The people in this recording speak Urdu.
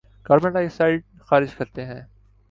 کاربن ڈائی آکسائیڈ خارج کرتے ہیں